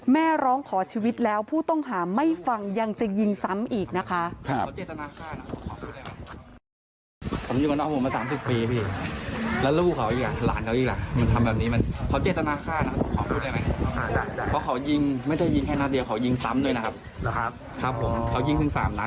แม่ร้องขอชีวิตแล้วผู้ต้องหาไม่ฟังยังจะยิงซ้ำอีกนะคะ